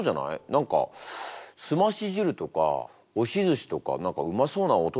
何かすまし汁とか押しずしとか何かうまそうな音だよね。